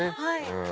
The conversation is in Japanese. はい。